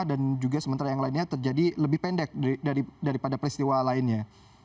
dan juga sementara yang lainnya terjadi lebih pendek daripada peristiwa lainnya